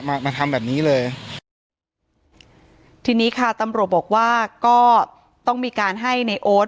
มามาทำแบบนี้เลยทีนี้ค่ะตำรวจบอกว่าก็ต้องมีการให้ในโอ๊ต